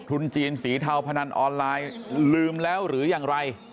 ทุนจีนสีเทาพนันออนไลน์ลืมแล้วหรือยังไร